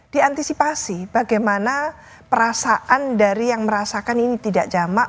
diantisipasi bagaimana perasaan dari yang merasakan ini tidak jamak